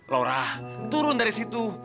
laura turun dari situ